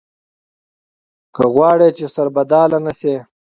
که غواړې چې سربډاله نه شې.